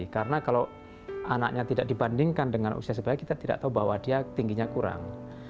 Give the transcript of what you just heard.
karena kalau anaknya tidak dibandingkan dengan usia sebagian kita tidak tahu bahwa dia tingginya kurang